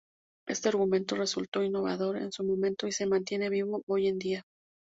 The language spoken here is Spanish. Este argumento resultó innovador en su momento y se mantiene vivo hoy en día.